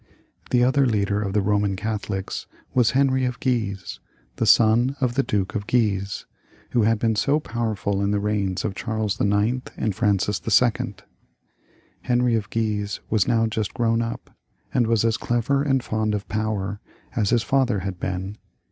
The other leader of the Boman Catholics was Henry of Guise, the son of the Duke of Guise, who had been so powerful in the reigns of Charles IX. and Francis II. Henry of Guise was now just grown up, and was as clever and fond of power as his father had been.